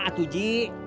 bisa dulu deh